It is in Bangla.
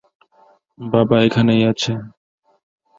বাবা এখানেই আছে।